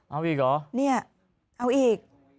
เอาอีกเหรอเนี่ยเอาอีก